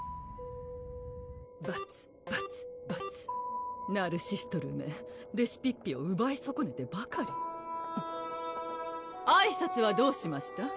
バツバツバツナルシストルーめレシピッピをうばいそこねてばかりあいさつはどうしました？